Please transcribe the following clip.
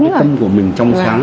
cái tâm của mình trong sáng